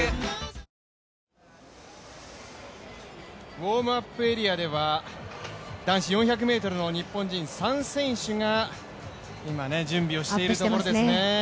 ウォームアップエリアでは男子４００ｍの日本人３選手が今準備をしているところですね。